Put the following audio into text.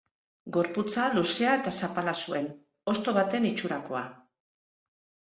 Gorputza luzea eta zapala zuen, hosto baten itxurakoa.